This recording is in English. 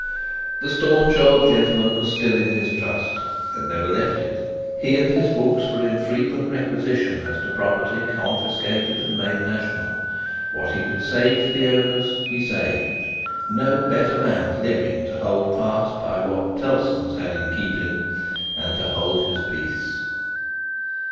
The staunch old gentleman was still in his trust; had never left it. He and his books were in frequent requisition as to property confiscated and made national. What he could save for the owners, he saved. No better man living to hold fast by what Tellson's had in keeping, and to hold his peace.